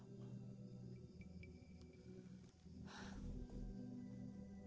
bukan cuman itu saja pak